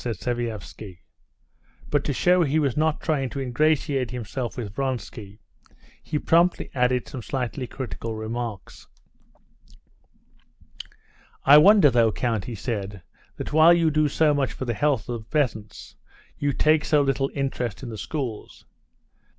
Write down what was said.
said Sviazhsky. But to show he was not trying to ingratiate himself with Vronsky, he promptly added some slightly critical remarks. "I wonder, though, count," he said, "that while you do so much for the health of the peasants, you take so little interest in the schools."